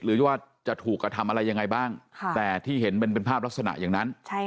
หรือว่าจะถูกกระทำอะไรยังไงบ้างแต่ที่เห็นเป็นภาพลักษณะอย่างนั้น